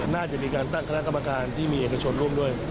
น่าจะมีการตั้งคณะกรรมการที่มีเอกชนร่วมด้วย